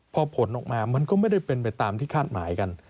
พอผลออกมามันก็ไม่ได้เป็นไปตามที่คาดหมายกัน